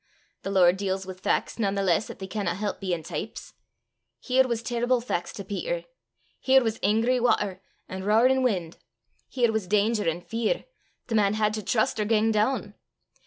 The Lord deals wi' fac's nane the less 'at they canna help bein' teeps. Here was terrible fac's to Peter. Here was angry watter an' roarin' win'; here was danger an' fear: the man had to trust or gang doon.